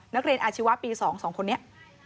นักเรียนอาชีวะปี๒๒คนนี้